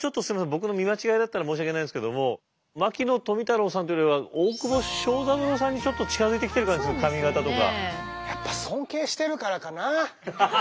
僕の見間違いだったら申し訳ないんですけども牧野富太郎さんっていうよりは大窪昭三郎さんにちょっと近づいてきてる感じする髪形とか。